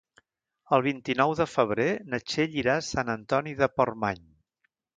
El vint-i-nou de febrer na Txell irà a Sant Antoni de Portmany.